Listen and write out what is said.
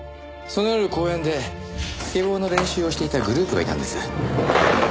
その夜公園でスケボーの練習をしていたグループがいたんです。